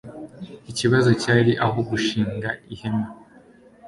Ikibazo cyari aho gushinga ihema